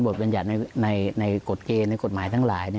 บัญญัติในกฎเกณฑ์ในกฎหมายทั้งหลาย